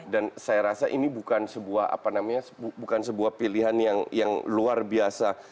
dan saya rasa ini bukan sebuah apa namanya bukan sebuah pilihan yang luar biasa